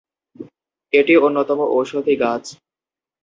এটি অন্যতম ঔষধি গাছ।